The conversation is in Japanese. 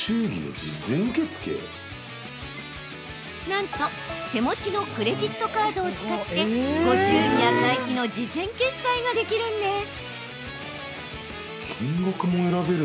なんと、手持ちのクレジットカードを使ってご祝儀や会費の事前決済ができるんです。